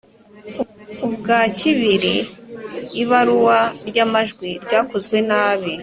ubwa kibiri ibarurua ry’amajwi ryakozwe nabi